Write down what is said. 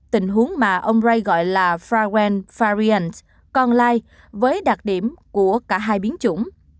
tình huống mà ông ray gọi là fragrant variant con lai với đặc điểm của cả hai biến chủng